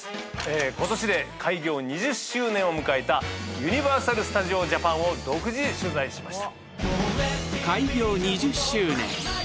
ことしで開業２０周年を迎えたユニバーサル・スタジオ・ジャパンを独自取材しました。